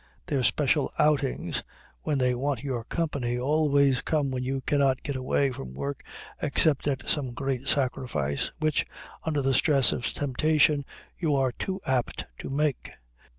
Their special outings, when they want your company, always come when you cannot get away from work except at some great sacrifice, which, under the stress of temptation, you are too apt to make.